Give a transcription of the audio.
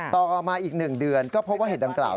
ต่อมาอีก๑เดือนก็พบว่าเหตุดังกล่าว